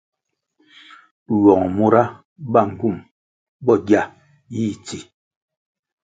Ywuong mura ba ngywum bo gia yih tsi.